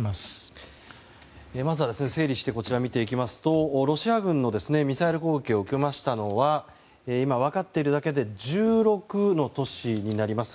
まずは整理して見ていきますとロシア軍のミサイル攻撃を受けたのは今、分かっているだけで１６の都市になります。